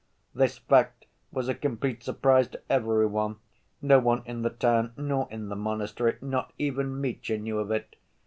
This fact was a complete surprise to every one; no one in the town nor in the monastery, not even Mitya, knew of it.